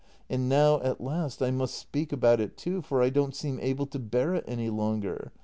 And now, at last, I must speak about it, too; for I don't seem able to bear it any longer.